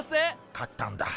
買ったんだ。